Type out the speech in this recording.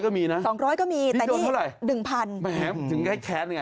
๒๐๐ก็มีนะ๒๐๐ก็มีแต่นี่๑๐๐๐บาท